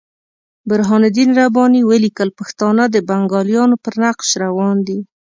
برهان الدین رباني ولیکل پښتانه د بنګالیانو پر نقش روان دي.